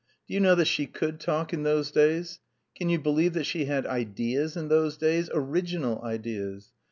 Do you know that she could talk in those days! Can you believe that she had ideas in those days, original ideas!